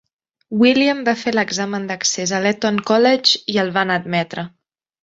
William va fer l'examen d'accés a l'Eton College i el van admetre.